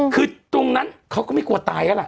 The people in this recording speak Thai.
คือตรงนั้นเขาก็ไม่กลัวตายแล้วล่ะ